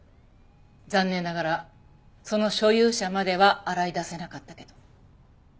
残念ながらその所有者までは洗い出せなかったけど。